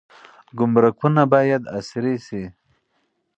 ګمرکونه باید عصري شي.